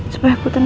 supaya aku tenang